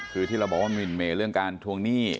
คือที่เราบอกว่าหมินเมย์เรื่องการทวงหนี้